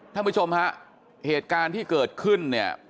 ท่านผู้ชมฮะเหตุการณ์ที่เกิดขึ้นเนี่ย